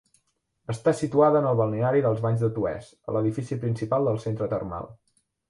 Està situada en el balneari dels Banys de Toès, a l'edifici principal del centre termal.